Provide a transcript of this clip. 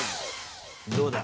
どうだ？